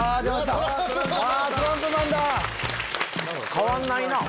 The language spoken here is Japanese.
変わんないな。